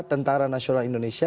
tentara nasional indonesia